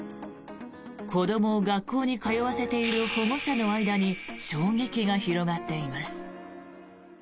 子どもを学校に通わせている保護者の間に衝撃が広がっています。